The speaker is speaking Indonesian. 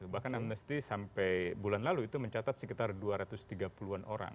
bahkan amnesty sampai bulan lalu itu mencatat sekitar dua ratus tiga puluh an orang